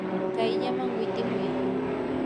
kayllaman witimuy.